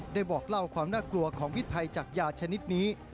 บอกเล่าความน่ากลัวของพิษภัยจากยาชนิดนี้